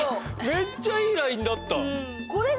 めっちゃいいラインだった！